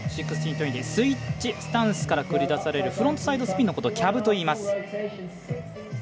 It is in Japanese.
スイッチスタンスから繰り出されるフロントサイドスピンのことをキャブといいます。